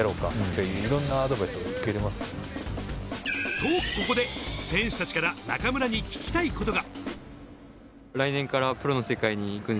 と、ここで選手たちから中村に聞きたいことが。